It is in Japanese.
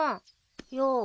よう。